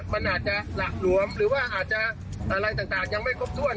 มันอาจจะหละหลวมหรือว่าอาจจะอะไรต่างยังไม่ครบถ้วน